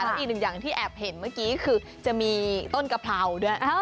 แล้วอีกหนึ่งอย่างที่แอบเห็นเมื่อกี้คือจะมีต้นกะเพราด้วย